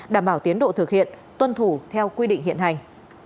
đảm bảo tiến độ thực hiện tuân thủ theo quy định hiện hành